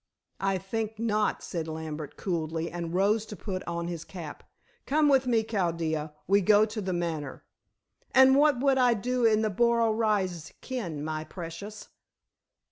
"I think not," said Lambert coolly, and rose to put on his cap. "Come with me, Chaldea. We go to The Manor." "And what would I do in the boro rye's ken, my precious?"